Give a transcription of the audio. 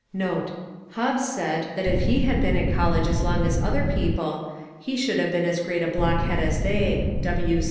[Hobbes said that if he Had been at college as long as other people he should have been as great a blockhead as they.